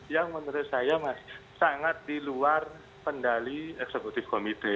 yang menurut saya masih sangat di luar pendali eksekutif komite